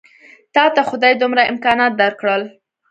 تاته خدای دومره امکانات درکړل.